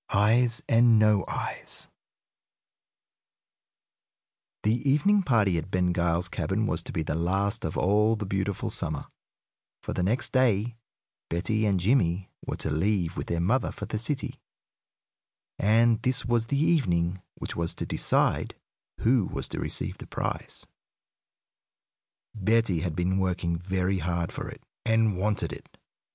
XVI EYES AND NO EYES The evening party at Ben Gile's cabin was to be the last of all the beautiful summer, for the next day Betty and Jimmie were to leave with their mother for the city, and this was the evening which was to decide who was to receive the prize. Betty had been working very hard for it, and wanted it.